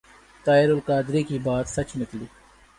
طاہر القادری کی بات سچ نکلی ۔